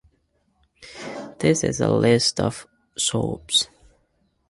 This is a list of Sorbs.